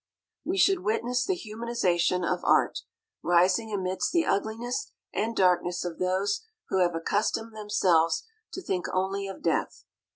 We should witness the humanization of art, rising amidst the ugliness and darkness of those who have accustomed themselves to think only of death.